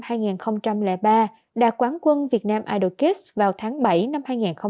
hồ văn cường sinh năm hai nghìn ba đạt quán quân việt nam idol kids vào tháng bảy năm hai nghìn một mươi sáu